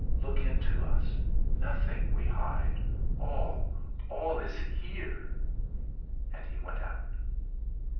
ook into us; nothing we hide; all all is there!' And he went out.